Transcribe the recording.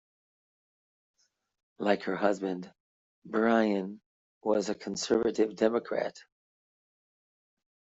Like her husband, Byron was a conservative Democrat.